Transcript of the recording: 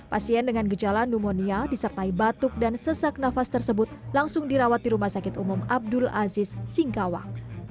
pasien dengan gejala pneumonia disertai batuk dan sesak nafas tersebut langsung dirawat di rumah sakit umum abdul aziz singkawang